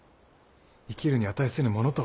生きるに値せぬものとは。